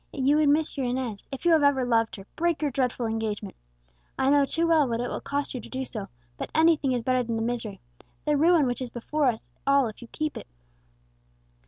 If you would miss your Inez, if you have ever loved her, break your dreadful engagement. I know too well what it will cost you to do so, but anything is better than the misery the ruin which is before us all if you keep it!"